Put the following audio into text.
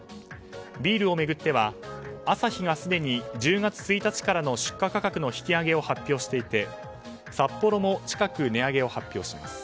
ビールを巡ってはアサヒがすでに１０月１日からの出荷価格の引き上げを発表していて、サッポロも近く値上げを発表します。